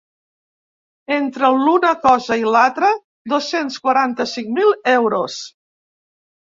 Entre l’una cosa i l’altra, dos-cents quaranta-cinc mil euros.